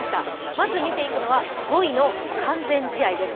まず見ていくのは５位の完全試合です。